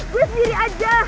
gua sendiri aja